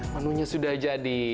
menu nya sudah jadi